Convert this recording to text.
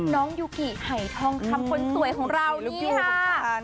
น้องยูกิไขทองคำคนสวยของเรานี่ค่ะ